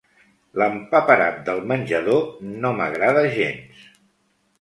L'empaperat del menjador no m'agrada gens!